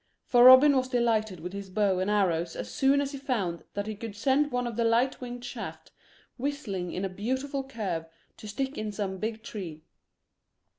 For Robin was delighted with his bow and arrows as soon as he found that he could send one of the light winged shafts whistling in a beautiful curve to stick in some big tree.